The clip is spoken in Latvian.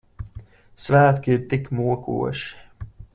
Svētki ir tik mokoši.